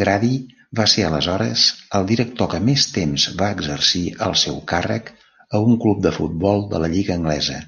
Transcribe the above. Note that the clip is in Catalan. Gradi va ser aleshores el director que més temps va exercir el seu càrrec a un club de futbol de la lliga anglesa.